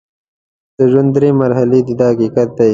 د ژوند درې مرحلې دي دا حقیقت دی.